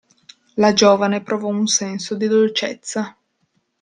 La giovane provò un senso di dolcezza.